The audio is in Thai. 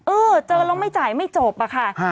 เออเจอแล้วไม่จ่ายไม่จบอะค่ะ